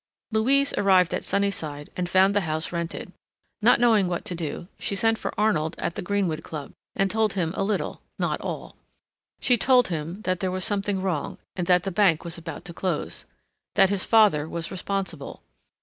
Louise arrived at Sunnyside and found the house rented. Not knowing what to do, she sent for Arnold at the Greenwood Club, and told him a little, not all. She told him that there was something wrong, and that the bank was about to close. That his father was responsible.